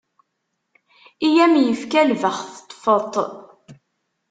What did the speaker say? I am-yefka lbext teṭfeḍ-t.